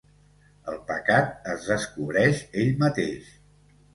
El pecat es descobreix ell mateix.